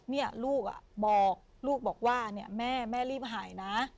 นี่ลูกบอกลูกบอกว่าเนี่ยแม่แม่รีบหายนะ